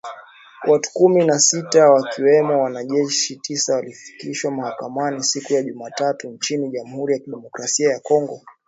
Watu kumi na sita wakiwemo wanajeshi tisa walifikishwa mahakamani siku ya Jumatatu nchini Jamhuri ya Kidemokrasi ya Kongo